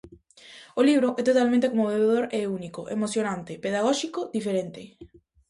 O libro é totalmente conmovedor e único, emocionante, pedagóxico, diferente.